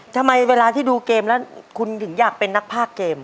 ทำไมเวลาที่ดูเกมแล้วคุณถึงอยากเป็นนักภาคเกม